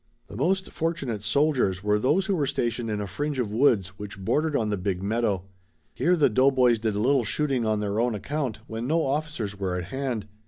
The most fortunate soldiers were those who were stationed in a fringe of woods which bordered on the big meadow. Here the doughboys did a little shooting on their own account when no officers were at hand.